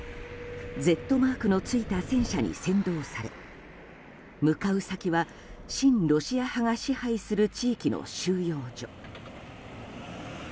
Ｚマークのついた戦車に先導され向かう先は親ロシア派が支配する地域の収容所。